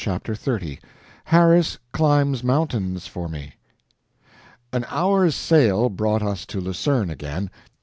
CHAPTER XXX [Harris Climbs Mountains for Me] An hour's sail brought us to Lucerne again.